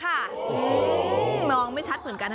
มองไม่ชัดเหมือนกันนะ